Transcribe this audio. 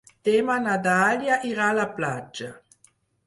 Demà na Dàlia irà a la platja.